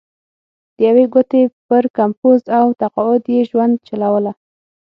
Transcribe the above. د یوې ګوتې پر کمپوز او تقاعد یې ژوند چلوله.